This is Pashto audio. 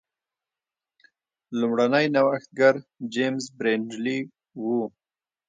لومړنی نوښتګر جېمز برینډلي و.